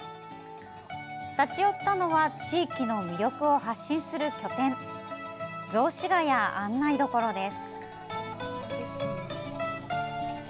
立ち寄ったのは地域の魅力を発信する拠点雑司が谷案内処です。